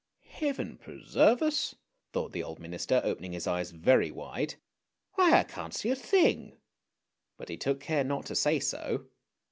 "Heaven preserve us! " thought the old minister, opening his eyes very wide. " Why I can't see a thing! " But he took care not to say so.